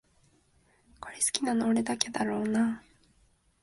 これ好きなの俺だけだろうなあ